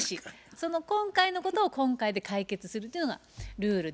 その今回のことを今回で解決するっていうのがルールで。